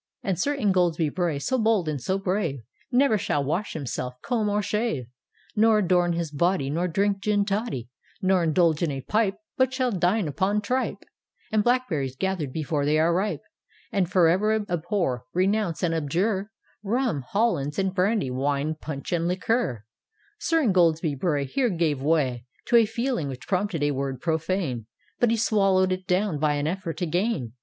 D,gt,, erihyGOOgle The Haunted Hour And Sir Ingoldsb]' Bray, so bold and so brave, Never shall wash himself, comb or shave, Nor adom his body, Nor drink gin toddf, Nor indulge in a pipe — But shall dine upon tripe And blackberries gathered before they are ripe, And forever abhor, renounce and abjure Rum, hollands, and brandy, wine, punch and liqueur/ " (Sir Ingoldsby Bray Here gave way To a feeling which prompted a word profane, But he swallowed it down, by an effort, again.